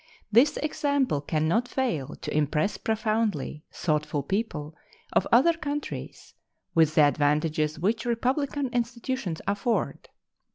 This example can not fail to impress profoundly thoughtful people of other countries with the advantages which republican institutions afford.